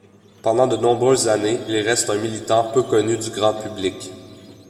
Pendant de nombreuses années, il reste un militant peu connu du grand public.